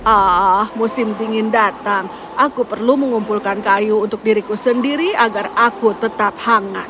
ah musim dingin datang aku perlu mengumpulkan kayu untuk diriku sendiri agar aku tetap hangat